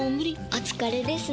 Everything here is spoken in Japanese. お疲れですね。